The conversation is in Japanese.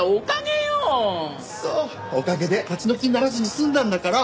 そうおかげで立ち退きにならずに済んだんだから。